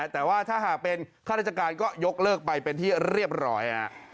แต่ว่าถ้าหากเป็นข้าราชการก็ยกเลิกไปเป็นที่เรียบร้อย